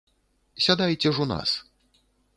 Сядайце ж у нас.